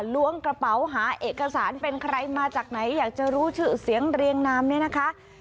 ล้วงกระเป๋าหาเอกสารเป็นใครมาจากไหนอยากจะรู้ชื่อเสียงเรียงนามเนี่ยนะคะ